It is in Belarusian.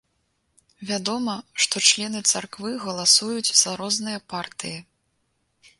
Вядома, што члены царквы галасуюць за розныя партыі.